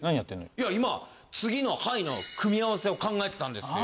いや今次のＨＩＧＨの組み合わせを考えてたんですよ。